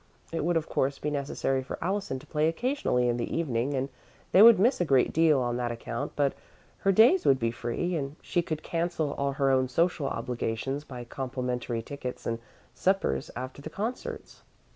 It would, of course, be necessary for Allison to play occasionally in the evening and they would miss a great deal on that account, but her days would be free, and she could cancel all her own social obligations by complimentary tickets and suppers after the concerts.